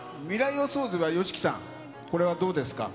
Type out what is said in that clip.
予想図ＩＩはＹＯＳＨＩＫＩさん、これはどうですか。